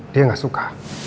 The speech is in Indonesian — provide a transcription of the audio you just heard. dia gak suka